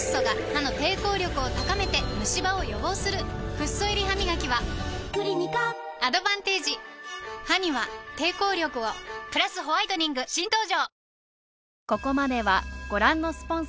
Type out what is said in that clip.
フッ素入りハミガキは歯には抵抗力をプラスホワイトニング新登場！